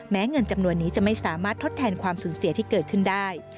เงินจำนวนนี้จะไม่สามารถทดแทนความสูญเสียที่เกิดขึ้นได้